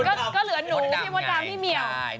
ก็เหลือหนูพี่มดดำพี่เหมียว